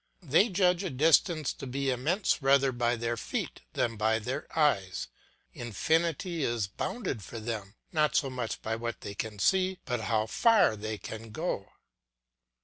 They judge a distance to be immense rather by their feet than by their eyes; infinity is bounded for them, not so much by what they can see, but how far they can go.